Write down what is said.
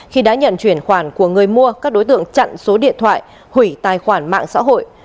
khi đã nhận chuyển khoản của người mua các đối tượng chặn số điện thoại hủy tài khoản mạng xã hội